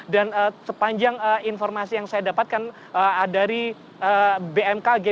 dan sepanjang informasi yang saya dapatkan dari bmkg